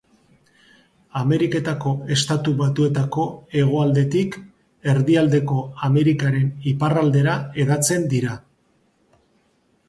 Ameriketako Estatu Batuetako hegoaldetik Erdialdeko Amerikaren iparraldera hedatzen dira.